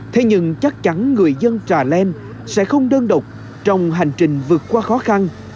thế nhưng chắc chắn người dân trà lem sẽ không đơn độc trong hành trình vượt qua khó khăn